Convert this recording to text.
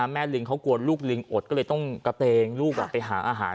ลิงเขากลัวลูกลิงอดก็เลยต้องกระเตงลูกไปหาอาหาร